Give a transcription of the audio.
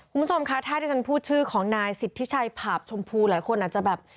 คุณผู้ชมคะถ้าที่ฉันพูดชื่อของนายสิทธิชัยผาบชมพูหลายคนอาจจะแบบ